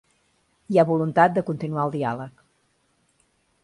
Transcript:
Hi ha voluntat de continuar el diàleg.